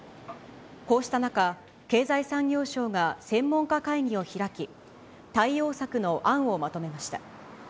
こうした中、経済産業省が専門家会議を開き、対応策の案をまとめました。